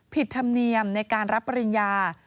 ธรรมเนียมในการรับปริญญา